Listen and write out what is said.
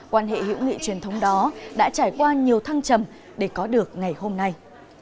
quan hệ hữu nghị truyền thống đó đã trải qua nhiều thăng trầm để có được ngày hôm nay